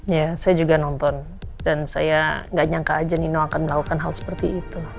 ya saya juga nonton dan saya gak nyangka aja nino akan melakukan hal seperti itu